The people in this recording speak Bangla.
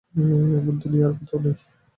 এমন দুনিয়ায় আর কোথাও নেই।